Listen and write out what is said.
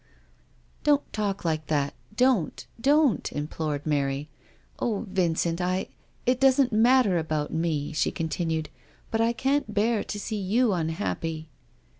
" Don't talk like that, don't, don't," implored Mary. "O Vincent, I — it doesn't matter about me," she continued, " but I can't bear to see you unhappy."